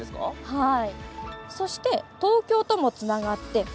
はい。